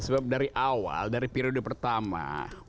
sebab dari awal dari periode pertama